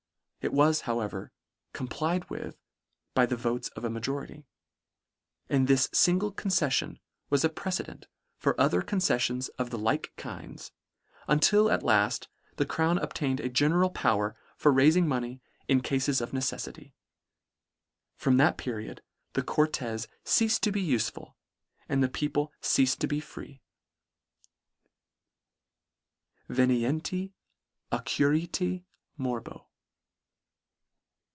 It was however, complied with by the votes of a majority ; and this fingle conceffion was a precedent for other conceffions of the like kinds, until, at laft, the crown obtained a general power for railing money in cafes of neceffity. From that period the Cortes ceafed to be ufeful, and the people ceafed to be free. Venienti occurrite tnorbo.